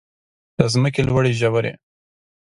د ځمکې لوړې ژورې.